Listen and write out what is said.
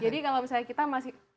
jadi kalau misalnya kita masih